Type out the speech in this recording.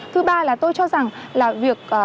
thứ ba là tôi cho rằng là việc